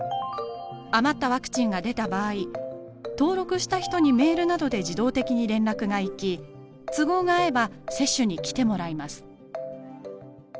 余ったワクチンが出た場合登録した人にメールなどで自動的に連絡が行き都合が合えば接種に来てもらいます。